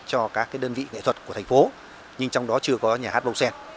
cho các cái đơn vị nghệ thuật của thành phố nhưng trong đó chưa có nhà hát bông sen